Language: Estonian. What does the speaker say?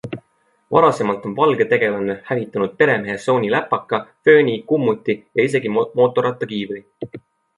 Varasemalt on valge tegelane hävitanud peremehe Sony läpaka, fööni, kummuti ja isegi mootorrattakiivri.